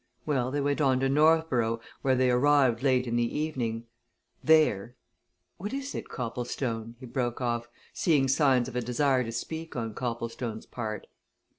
Well, they went on to Northborough, where they arrived late in the evening. There what is it, Copplestone," he broke off, seeing signs of a desire to speak on Copplestone's part.